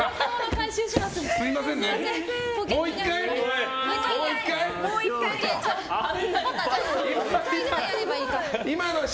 回収しますので。